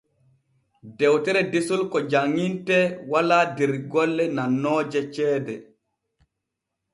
Dewtere desol ko janŋintee walaa der golle nannooje ceede.